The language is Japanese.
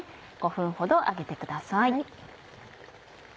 ５分ほど揚げてください。